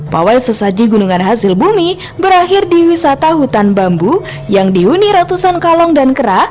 pawai sesaji gunungan hasil bumi berakhir di wisata hutan bambu yang dihuni ratusan kalong dan kera